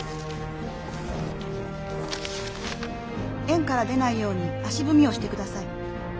円から出ないように足踏みをしてください。